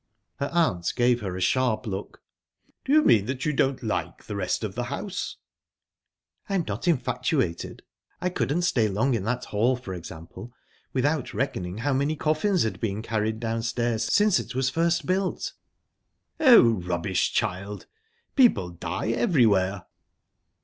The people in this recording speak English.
Her aunt gave her a sharp look. "Do you mean you don't like the rest of the house?" "I'm not infatuated." "I couldn't stay long in that hall, for example, without reckoning how many coffins had been carried downstairs since it was first built." "Oh, rubbish, child! People die everywhere."